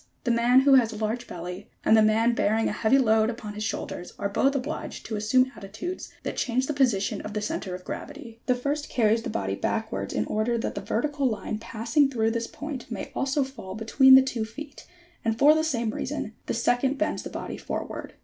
The man who has a large belly and the man bearing a heavy load upon his shoulders are both obliged to assume attitudes that change the position of the centre of gravity. The first carries the body back wards in order that the vertical line passing through this point may also fall between the two feet, and for the same reason, the second bends the body forward.